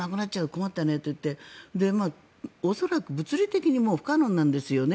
困ったねって言って恐らく物理的にもう不可能なんですよね。